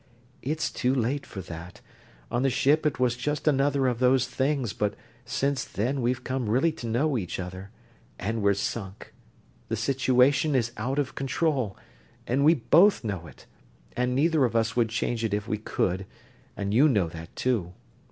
"It's too late for that. On the ship it was just another of those things, but since then we've come really to know each other, and we're sunk. The situation is out of control, and we both know it and neither of us would change it if we could, and you know that, too.